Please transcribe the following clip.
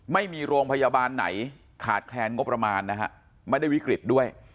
ไม่มีโรงพยาบาลไหนขาดแคลนงบประมาณนะฮะไม่ได้วิกฤตด้วย